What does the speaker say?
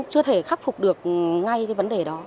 chưa thể khắc phục được ngay cái vấn đề đó